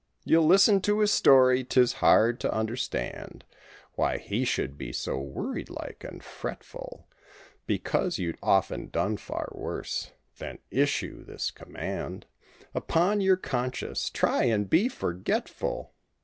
You'll listen to his story and 'tis hard to understand Why he should be so worried like and fretful, Because you'd often done far worse—then issue this command Upon your conscience: "Try and be forgetful!"